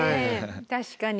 確かに。